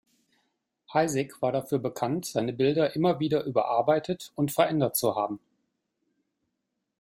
Heisig war dafür bekannt, seine Bilder immer wieder überarbeitet und verändert zu haben.